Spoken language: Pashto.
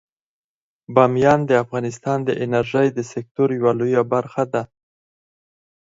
بامیان د افغانستان د انرژۍ د سکتور یوه لویه برخه ده.